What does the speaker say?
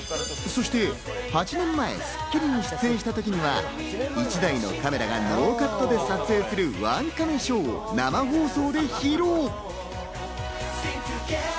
そして８年前『スッキリ』に出演した時には１台のカメラがノーカットで撮影する１カメショーを生放送で披露。